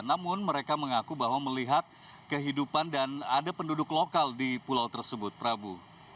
namun mereka mengaku bahwa melihat kehidupan dan ada penduduk lokal di pulau tersebut prabu